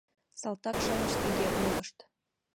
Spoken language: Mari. Салтак-шамыч тыге ойлышт: